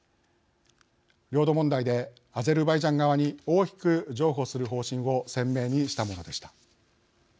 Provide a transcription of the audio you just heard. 領土問題でアゼルバイジャン側に大きく譲歩する方針を鮮明にしたものでした。